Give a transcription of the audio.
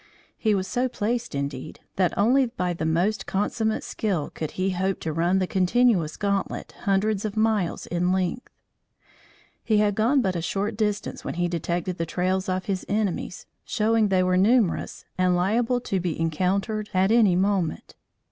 He was so placed, indeed, that only by the most consummate skill could he hope to run the continuous gauntlet, hundreds of miles in length. He had gone but a short distance when he detected the trails of his enemies, showing they were numerous and liable to be encountered at any moment.